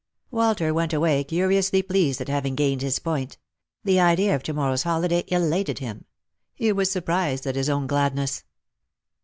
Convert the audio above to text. Walter went away curiously pleased at having gained his point. The idea, of to morrow's holiday elated him. He was surprised at his own gladness.